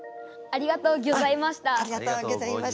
ありがとうギョざいました。